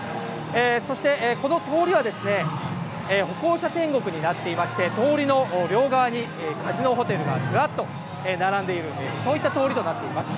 そして、この通りはですね、歩行者天国になっていまして、通りの両側にカジノホテルがずらっと並んでいる、そういった通りとなっています。